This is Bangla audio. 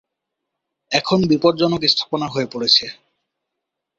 এখন বিপদজনক স্থাপনা হয়ে পড়েছে।